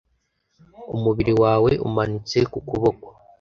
umubiri wawe umanitse ku kuboko